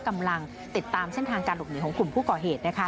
กำลังติดตามเส้นทางการหลบหนีของกลุ่มผู้ก่อเหตุนะคะ